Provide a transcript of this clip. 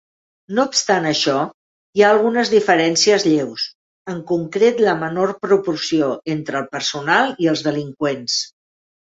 No obstant això, hi ha algunes diferències lleus, en concret la menor proporció entre el personal i els delinqüents.